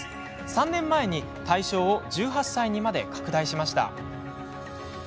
３年前に対象を１８歳にまで拡大しました。